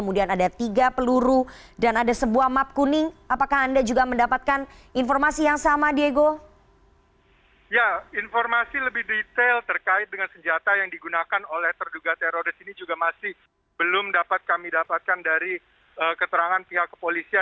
memang berdasarkan video yang kami terima oleh pihak wartawan tadi sebelum kami tiba di tempat kejadian ini memang ada seorang terduga teroris yang berhasil masuk ke dalam kompleks